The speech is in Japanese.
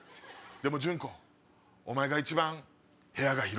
でもジュンコお前が一番部屋が広い。